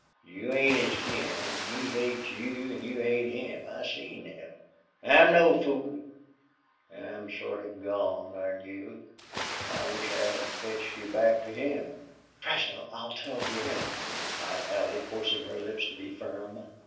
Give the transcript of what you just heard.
You ain't his kin an' he hates you an' you hate him. I seen thet. I'm no fool. I'm sorta gone on you. I wish I hadn't fetched you back to him." "Fresno, I'll tell Durade," replied Allie, forcing her lips to be firm.